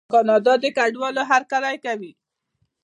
کاناډا د کډوالو هرکلی کوي.